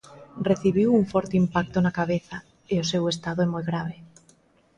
Recibiu un forte impacto na cabeza e o seu estado é moi grave.